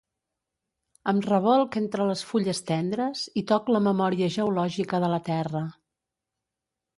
Em rebolc entre les fulles tendres i toc la memòria geològica de la terra.